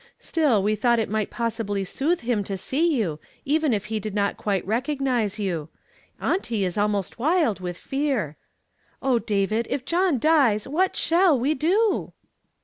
Still, we tliought it might pos sibly soothe him to see you, even if he did not quite recognize you. Auntie is almost wild with fear. O David! if John dies, what shall we do?"